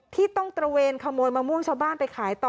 ที่ต้องตระเวนขโมยมะม่วงชาวบ้านไปขายต่อ